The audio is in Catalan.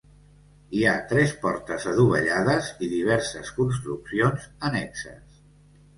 Hi ha tres portes adovellades i diverses construccions annexes.